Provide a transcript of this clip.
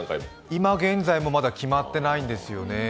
いま現在もまだ決まってないんですよね。